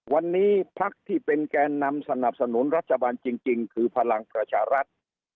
วันนี้พักที่เป็นแกนนำสนับสนุนรัฐบาลจริงคือพลังประชารัฐ